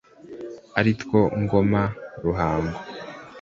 ari two ngoma ruhango